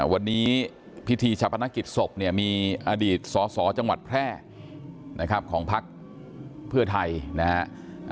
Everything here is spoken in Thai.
วันนี้พิธีชาพนักกิจศพเนี่ยมีอดีตสสจังหวัดแพร่นะครับของพักเพื่อไทยนะฮะ